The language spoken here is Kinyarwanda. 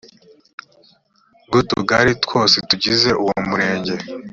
rw ‘utugari twose tugize uwo murenge